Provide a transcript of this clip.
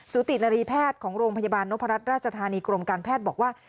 ตินรีแพทย์ของโรงพยาบาลนพรัชราชธานีกรมการแพทย์บอกว่า